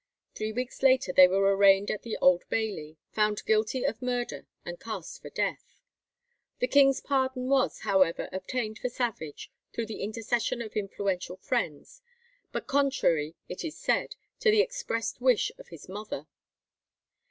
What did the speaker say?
Three weeks later they were arraigned at the Old Bailey, found guilty of murder, and cast for death. The king's pardon was, however, obtained for Savage through the intercession of influential friends, but contrary, it is said, to the expressed wish of his mother.